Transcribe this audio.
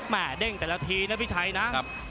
เด้งแต่ละทีนะพี่ชัยนะ